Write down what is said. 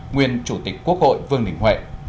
nguyên chủ tịch quốc hội vương đình huệ